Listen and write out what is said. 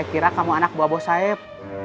saya kira kamu anak buah bos saeb